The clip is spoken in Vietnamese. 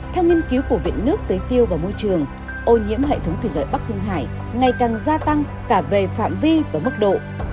theo nghiên cứu của viện nước tế tiêu và môi trường ô nhiễm hệ thống thủy lợi bắc hưng hải ngày càng gia tăng cả về phạm vi và mức độ